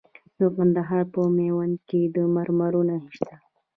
د کندهار په میوند کې د مرمرو نښې شته.